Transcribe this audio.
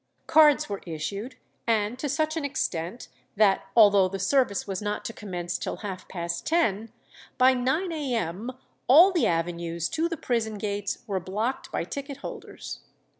Cards were issued, and to such an extent, that although the service was not to commence till half past ten, by nine a.m. all the avenues to the prison gates were blocked by ticket holders.